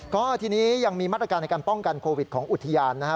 ก็ทีนี้ยังมีมาตรการในการป้องกันโควิดของอุทยานนะฮะ